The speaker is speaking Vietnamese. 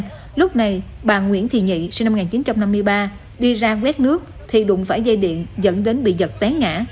lúc này bà nguyễn thị nhị sinh năm một nghìn chín trăm năm mươi ba đi ra quét nước thì đụng phải dây điện dẫn đến bị giật té ngã